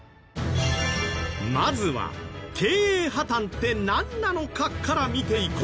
まずは経営破たんってなんなのかから見ていこう。